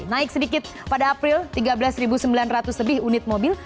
naik sedikit pada april tiga belas sembilan ratus lebih unit mobil